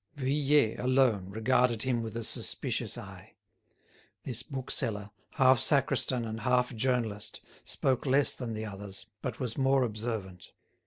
Vuillet, alone, regarded him with a suspicious eye. This bookseller, half sacristan and half journalist, spoke less than the others, but was more observant.